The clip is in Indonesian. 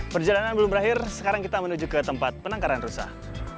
perjalanan belum berakhir sekarang kita menuju ke tempat penangkaran rusak